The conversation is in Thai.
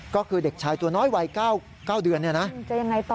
ก็คือเด็กชายตัวน้อยวัย๙เดือนนี่นะ